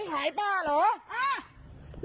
ผมคนขายป้าเหรอ